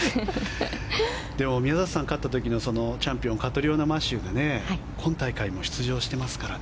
宮里さんが勝った時のチャンピオンカトリオナ・マシューが今大会も出場してますからね。